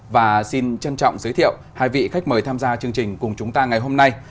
và xin trân trọng giới thiệu hai vị khách mời tham gia chương trình cùng chúng ta ngày hôm nay